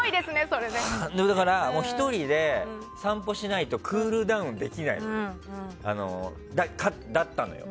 だから、１人で散歩しないとクールダウンできなかったのよ。